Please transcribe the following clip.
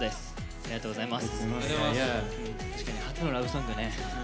ありがとうございます。